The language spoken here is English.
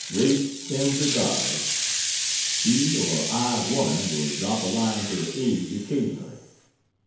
Raish sends regards. He or I, one will drop a line to the "Age" occasionally.